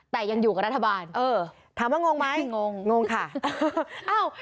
แต่ยังอยู่กับรัฐบาลเออถามว่างงไหมงงงงค่ะอ้าว